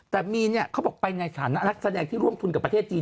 แต่มีนเนี่ยเขาบอกไปในฐานะนักแสดงที่ร่วมทุนกับประเทศจีน